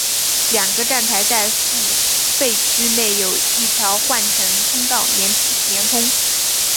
两个站台在付费区内有一条换乘通道连通。